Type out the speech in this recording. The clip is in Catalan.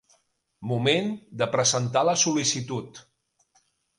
Moment de presentar la sol·licitud.